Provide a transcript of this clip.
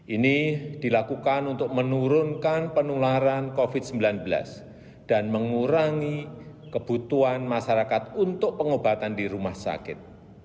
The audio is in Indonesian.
ini dilakukan untuk menurunkan penularan covid sembilan belas dan mengurangi kebutuhan masyarakat untuk pengobatan di rumah sakit